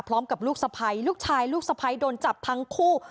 พร้อมกับลูกสะพัยลูกชายลูกสะพัยโดนจับทั้งคู่